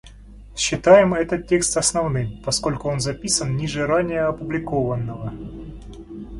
Считаем этот текст основным, поскольку он записан ниже ранее опубликованного.